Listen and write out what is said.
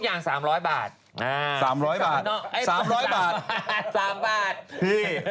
สนุนโดยดีที่สุดคือการให้ไม่สิ้นสุด